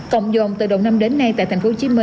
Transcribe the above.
cộng dồn từ đầu năm đến nay tại tp hcm